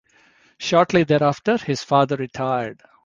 Shortly thereafter, his father retired.